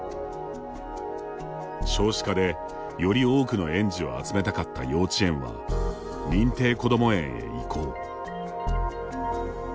少子化で、より多くの園児を集めたかった幼稚園は認定こども園へ移行。